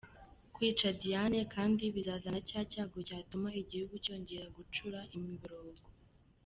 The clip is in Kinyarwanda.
Kwica Diane kandi bizazana cya cyago cyatuma igihugu cyongera gucura imiborogo.